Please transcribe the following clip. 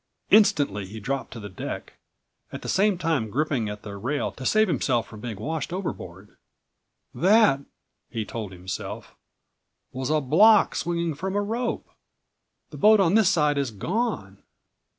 Instantly he dropped to the deck, at the same time gripping at the rail to save himself from being washed overboard. "That," he told himself, "was a block swinging from a rope. The boat on this side is gone.